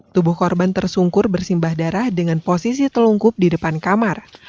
tubuh korban tersungkur bersimbah darah dengan posisi telungkup di depan kamar